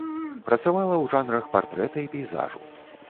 Працавала ў жанрах партрэта і пейзажу.